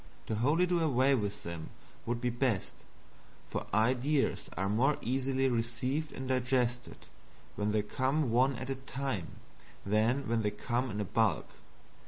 To wholly do away with them would be best, for ideas are more easily received and digested when they come one at a time than when they come in bulk.